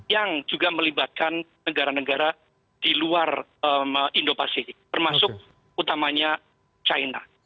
yang juga melibatkan negara negara di luar indo pasifik termasuk utamanya china